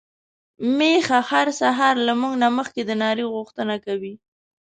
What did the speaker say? ميښه هر سهار له موږ نه مخکې د ناري غوښتنه کوي.